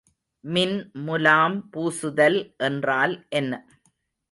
மின்முலாம் பூசுதல் என்றால் என்ன?